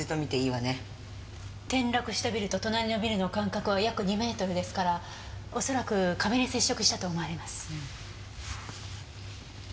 転落したビルと隣のビルの間隔は約２メートルですから恐らく壁に接触したと思われます。